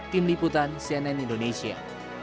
tim liputan cnn indonesia